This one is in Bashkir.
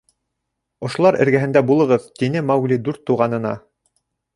— Ошолар эргәһендә булығыҙ, — тине Маугли дүрт туғанына.